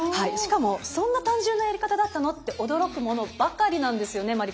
しかもそんな単純なやり方だったの？と驚くものばかりなんですよね